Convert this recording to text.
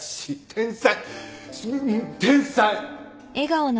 天才！